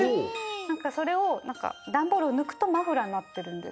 なんかそれをダンボールをぬくとマフラーになってるんです。